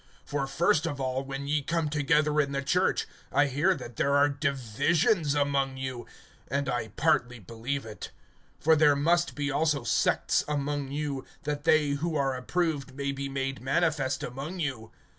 (18)For first of all, when ye come together in the church, I hear that there are divisions among you; and I partly believe it. (19)For there must be also sects among you, that they who are approved may be made manifest among you.